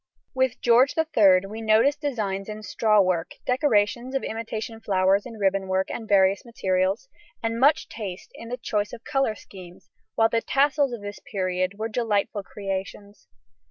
With George III we notice designs in straw work, decorations of imitation flowers in ribbon work and various materials, and much taste in the choice of colour schemes, while the tassels of this period were delightful creations.